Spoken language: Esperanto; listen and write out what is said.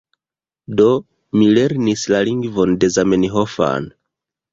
Do, mi lernis la lingvon Zamenhofan.